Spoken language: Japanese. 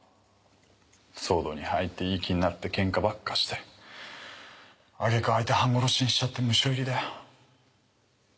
ＳＷＯＲＤに入っていい気になってケンカばっかしてあげく相手半殺しにしちゃってムショ入りだよ。